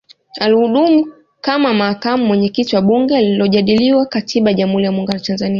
Alihudumu kama Makamu Mwenyekiti wa Bunge lililojadili Katiba ya Jamhuri ya Muungano wa Tanzania